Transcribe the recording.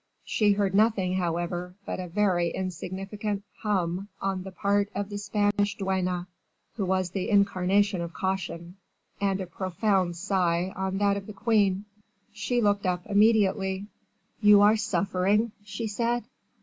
She heard nothing, however, but a very insignificant "hum" on the part of the Spanish duenna, who was the incarnation of caution and a profound sigh on that of the queen. She looked up immediately. "You are suffering?" she said.